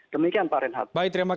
demikian pak renhat